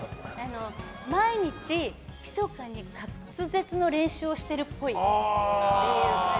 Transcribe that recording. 毎日ひそかに滑舌の練習をしてるっぽい。